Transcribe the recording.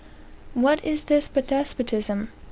What is this but despotism?